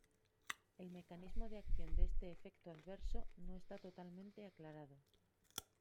El mecanismo de acción de este efecto adverso no está totalmente aclarado.